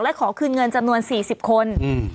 และขอคืนเงินจำนวน๔๐คน